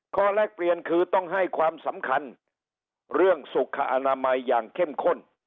แลกเปลี่ยนคือต้องให้ความสำคัญเรื่องสุขอนามัยอย่างเข้มข้น